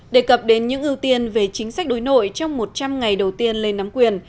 đề cập đến những ưu tiên về chính sách đối nội trong một trăm linh ngày đầu tiên lên nắm quyền